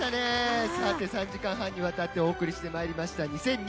３時間半にわたってお送りしてまいりました。